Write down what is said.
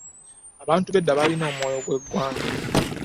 Abantu bedda balina omwoyo gw'egwanga .